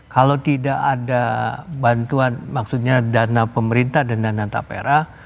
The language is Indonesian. kalau tidak ada bantuan maksudnya dana pemerintah dan dana tapera